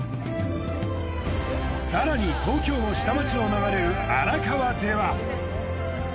更に東京の下町を流れる荒川では。